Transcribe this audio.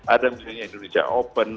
ada misalnya indonesia open